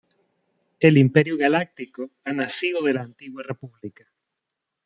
El Imperio Galáctico ha nacido de la Antigua República.